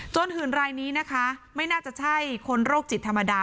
หื่นรายนี้นะคะไม่น่าจะใช่คนโรคจิตธรรมดา